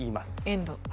エンド。